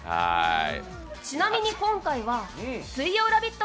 ちなみに今回は、水曜ラヴィット！